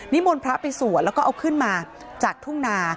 มนต์พระไปสวดแล้วก็เอาขึ้นมาจากทุ่งนา